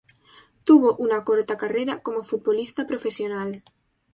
Tuvo una corta carrera como futbolista profesional.